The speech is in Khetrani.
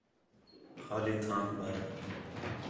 خالی تھانک بَھر